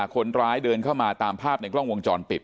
คนร้ายเดินเข้ามาตามภาพในกล้องวงจรปิด